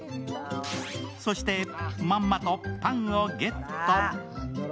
そして、まんまとパンをゲット。